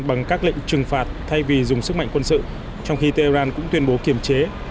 bằng các lệnh trừng phạt thay vì dùng sức mạnh quân sự trong khi tehran cũng tuyên bố kiểm chế